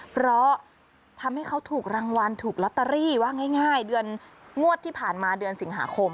เพราะทำให้เขาถูกรางวัลถูกลอตเตอรี่ว่าง่ายเดือนงวดที่ผ่านมาเดือนสิงหาคม